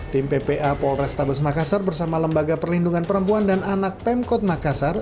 tim ppa polrestabes makassar bersama lembaga perlindungan perempuan dan anak pemkot makassar